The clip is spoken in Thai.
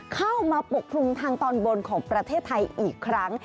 เข้ามาปกคลุมทางตอนบนของประเทศไทยอีกครั้ง